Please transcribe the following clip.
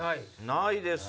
ないです。